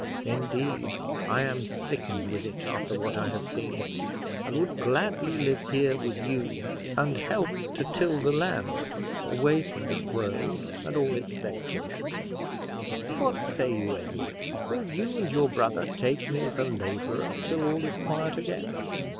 Indeed, I am sickened with it, after what I have seen, and would gladly live here with you, and help to till the land, away from the world and all its vexations. What say you, Edward; will you and your brother take me as a laborer till all is quiet again?"